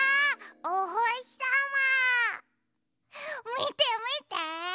みてみて！